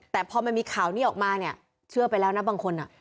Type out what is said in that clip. แต่พอมันมีข่าวนี้ออกมาเนี่ยเชื่อไปแล้วนะบางคนอ่ะ